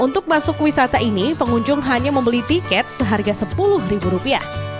untuk masuk wisata ini pengunjung hanya membeli tiket seharga sepuluh ribu rupiah